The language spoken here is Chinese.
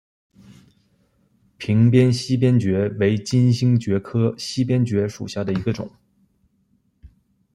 屏边溪边蕨为金星蕨科溪边蕨属下的一个种。